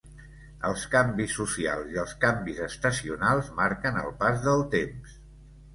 Els canvis socials i els canvis estacionals marquen el pas del temps.